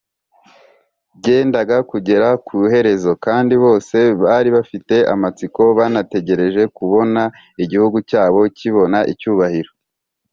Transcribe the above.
, byendaga kugera ku iherezo; kandi bose bari bafite amatsiko banategereje kubona igihugu cyabo kibona icyubahiro